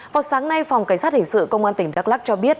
vào sáng nay phòng cảnh sát hình sự công an tỉnh đắk lắc cho biết